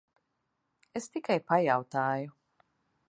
Es tikai pajautāju.